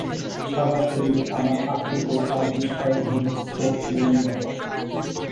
সারা শরীরে আমার আতঙ্ক আর বিস্ময়ের হিমস্রোত বয়ে গেল।